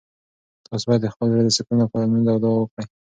تاسو باید د خپل زړه د سکون لپاره لمونځ او دعا وکړئ.